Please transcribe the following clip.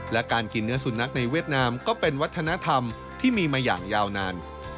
และการกินเนื้อสุนัขในเวียดนามก็เป็นวัฒนธรรมที่มีมาอย่างยาวนาน